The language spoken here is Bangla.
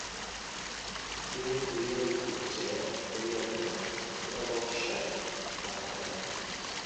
তিনি হরিণাকুন্ডু উপজেলার হরিয়ারঘাটার খোদাবকশ শাহের আখড়ায় যান।